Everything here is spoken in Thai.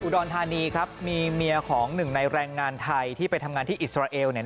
รธานีครับมีเมียของหนึ่งในแรงงานไทยที่ไปทำงานที่อิสราเอล